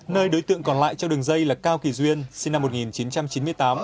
nơi đối tượng còn lại trong đường dây là cao kỳ duyên sinh năm một nghìn chín trăm chín mươi tám